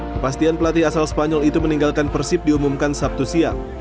kepastian pelatih asal spanyol itu meninggalkan persib diumumkan sabtu siang